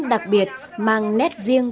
đặc biệt mang nét riêng